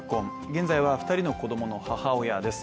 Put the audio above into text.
現在は２人の子供の母親です。